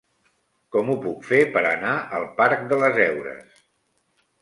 Com ho puc fer per anar al parc de les Heures?